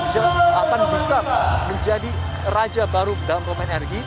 dia akan bisa menjadi raja baru dalam promen energi